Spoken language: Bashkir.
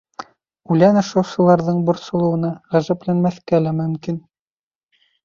Үлән ашаусыларҙың борсолоуына ғәжәпләнмәҫкә лә мөмкин.